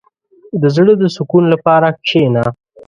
• د زړۀ د سکون لپاره کښېنه.